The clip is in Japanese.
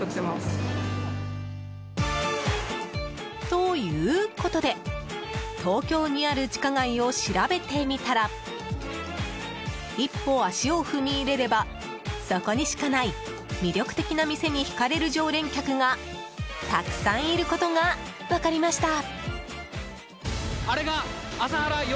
ということで、東京にある地下街を調べてみたら一歩足を踏み入れればそこにしかない魅力的な店にひかれる常連客が沢山いることが分かりました。